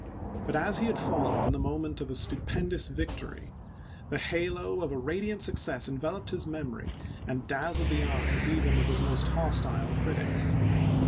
But as he had fallen in the moment of a stupendous victory, the halo of a radiant success enveloped his memory and dazzled the eyes even of his most hostile critics.